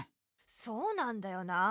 そうなんだよなあ。